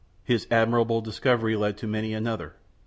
His admirable discovery led to many another.